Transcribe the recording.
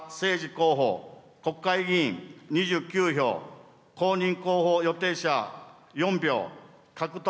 候補、国会議員２９票、公認候補予定者４票、獲得